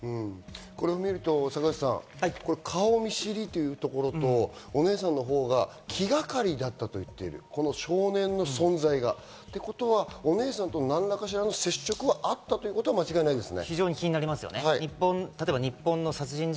これを見ると坂口さん、顔見知りというところと、お姉さんのほうが気がかりだったと言っている、この少年の存在が。ということをお姉さんと何かしらの接触はあったということは間違いないですね。